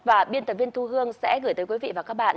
và biên tập viên thu hương sẽ gửi tới quý vị và các bạn